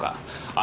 あ。